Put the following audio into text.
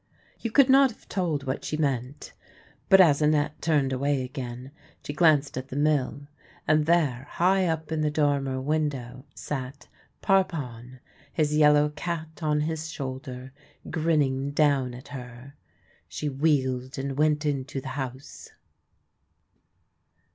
You could not have told what she meant. But, as Annette turned away again, she glanced at the mill; and there, high up in the dormer window, sat Parpon, his yellow cat on his shoulder, grinning down at her. She wheeled and went into the house.